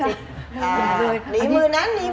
หนีมือนั้น